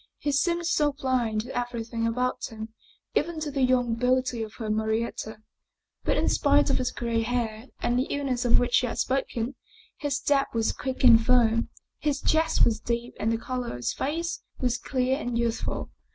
He seemed so blind to everything about him, even to the young beauty of her Marietta. But in spite of his gray hair and the illness of which he had spoken, his step was quick and firm. His chest was deep and the color of his face was clear and youthful.